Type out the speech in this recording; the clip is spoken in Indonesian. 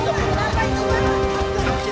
jangan lupa ikut kami